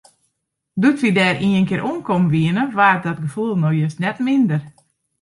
Doe't wy dêr ienkear oankommen wiene, waard dat gefoel no just net minder.